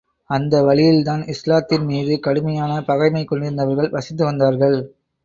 அந்த வழியில்தான் இஸ்லாத்தின் மீது கடுமையான பகைமை கொண்டிருந்தவர்கள் வசித்து வந்தார்கள்.